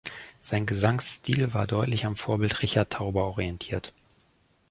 Sein Gesangsstil war deutlich am Vorbild Richard Tauber orientiert.